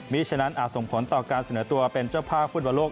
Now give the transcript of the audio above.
มีฉะนั้นอาจส่งผลต่อการเสนอตัวเป็นเจ้าภาพฟุตบอลโลก